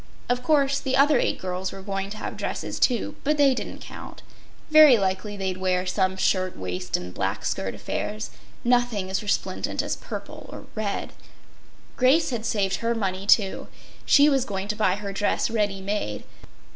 Of course, the other eight girls were going to have dresses too, but they didn’t count. Very likely they’d wear some shirt waist and black skirt affairs—nothing as resplendent as purple or red. Grace had saved her money, too. She was going to buy her dress ready made.